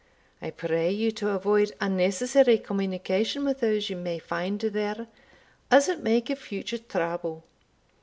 I pray you to avoid unnecessary communication with those you may find there, as it may give future trouble.